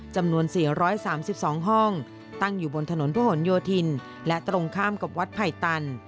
จำนวน๔๓๒ห้องตั้งอยู่บนถนนพระหลโยธินและตรงข้ามกับวัดไผ่ตัน